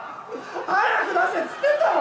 早く出せっつってんだろ！